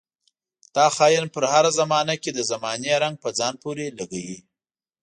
دا خاين پر هره زمانه کې د زمانې رنګ په ځان پورې لګوي.